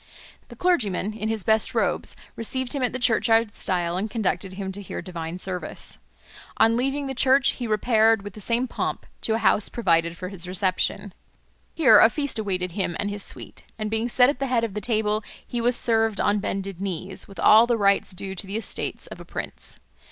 The clergyman in his best robes received him at the churchyard stile and conducted him to hear divine service. On leaving the church he repaired, with the same pomp, to a house provided for his reception. Here a feast awaited him and his suite, and being set at the head of the table he was served on bended knees, with all the rites due to the estate of a prince.